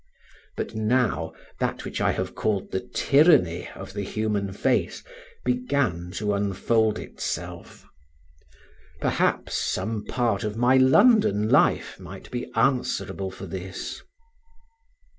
But now that which I have called the tyranny of the human face began to unfold itself. Perhaps some part of my London life might be answerable for this.